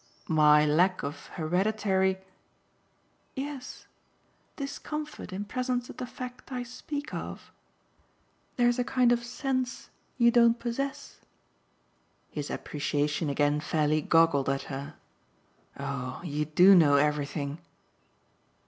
"My lack of hereditary ?" "Yes, discomfort in presence of the fact I speak of. There's a kind of sense you don't possess." His appreciation again fairly goggled at her. "Oh you do know everything!"